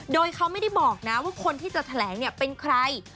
โดยเขาไม่ได้บอกนะว่าคนที่จะแถลงเนี่ยเป็นใคร